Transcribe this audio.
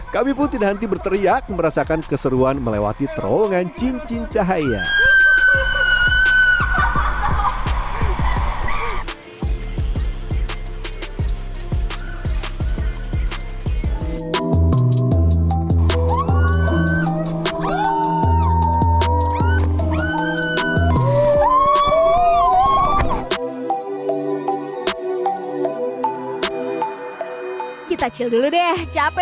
kami pun tidak henti berteriak merasakan keseruan melewati terowongan cincin cahaya